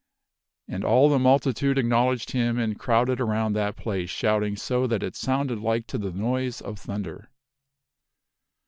And all the multitude acknowledged him and crowded around that place shouting so that it sounded like to the noise of thunder.